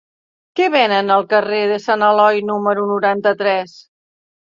Què venen al carrer de Sant Eloi número noranta-tres?